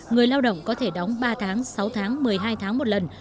người lao động có thể đóng ba tháng sáu tháng một mươi hai tháng một lần